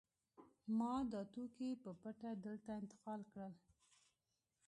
ما دا توکي په پټه دلته انتقال کړل